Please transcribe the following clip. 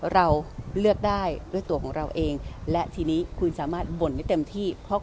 เราเลือกได้ด้วยตัวของเราเองและทีนี้คุณสามารถบ่นได้เต็มที่เพราะ